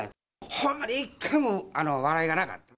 ほんまに一回も笑いがなかった。